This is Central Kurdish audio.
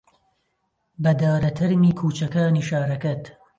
بەدارە تەرمی کووچەکانی شارەکەت